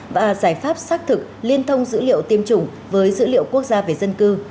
và giải pháp xác thực liên thông dữ liệu tiêm chủng với dữ liệu quốc gia về dân cư